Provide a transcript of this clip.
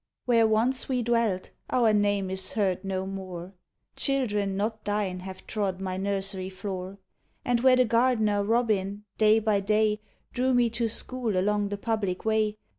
Where once we dwelt our name is heard no more ; Children not thine have trod my nursery floor; And where the gardener liobin. day by day. Drew me to st hool along the public way.